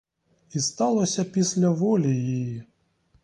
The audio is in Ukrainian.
І сталося після волі її.